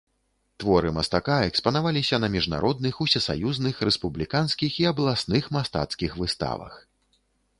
Творы мастака экспанаваліся на міжнародных, усесаюзных, рэспубліканскіх і абласных мастацкіх выставах.